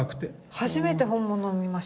初めて本物を見ました。